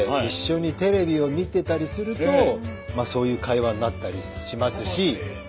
一緒にテレビを見てたりするとまあそういう会話になったりしますし。